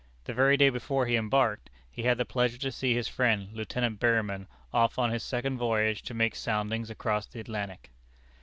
The very day before he embarked, he had the pleasure to see his friend, Lieutenant Berryman, off on his second voyage to make soundings across the Atlantic.